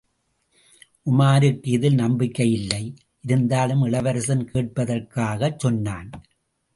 உமாருக்கு இதில் நம்பிக்கையில்லை, இருந்தாலும் இளவரசன் கேட்பதற்காகச் சொன்னான்.